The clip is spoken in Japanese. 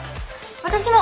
私も！